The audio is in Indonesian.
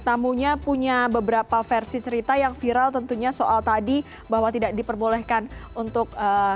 tamunya punya beberapa versi cerita yang viral tentunya soal tadi bahwa tidak diperbolehkan untuk